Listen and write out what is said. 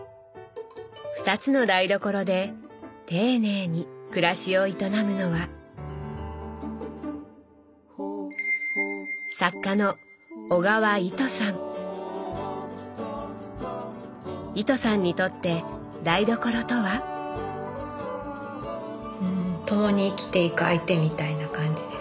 ２つの台所で丁寧に暮らしを営むのは糸さんにとって台所とは？ともに生きていく相手みたいな感じですね。